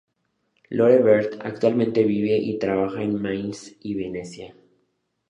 Lore Bert actualmente vive y trabaja en Mainz y Venecia.